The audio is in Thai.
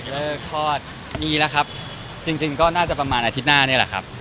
เลิกคลอดมีแล้วครับจริงก็น่าจะประมาณอาทิตย์หน้านี่แหละครับ